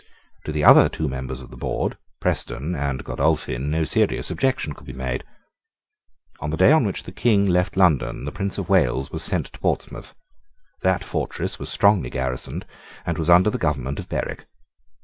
To the other two members of this board, Preston and Godolphin, no serious objection could be made. On the day on which the King left London the Prince of Wales was sent to Portsmouth. That fortress was strongly garrisoned, and was under the government of Berwick.